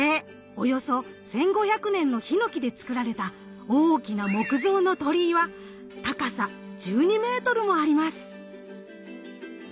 およそ１，５００年のヒノキで作られた大きな木造の鳥居は高さ１２メートルもあります。